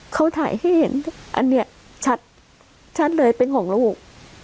เขาถ่ายให้เห็นอันนี้ชัดชัดเลยเป็นของลูก